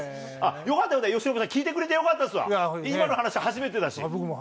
よかった、よかった、由伸さん、聞いてくれてよかったですわ、今の話、初めてだし。